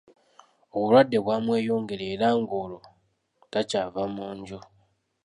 Obulwadde bwamweyongera era ng’olwo takyava mu nju.